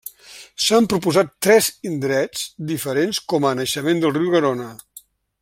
S'han proposat tres indrets diferents com a naixement del riu Garona.